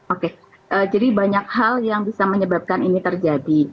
oke jadi banyak hal yang bisa menyebabkan ini terjadi